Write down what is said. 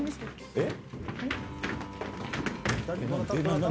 えっ？